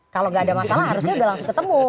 kalau tidak ada masalah harusnya sudah langsung ketemu